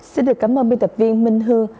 xin được cảm ơn biên tập viên minh hương